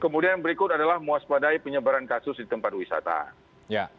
kemudian berikut adalah mewaspadai penyebaran kasus di tempat wisata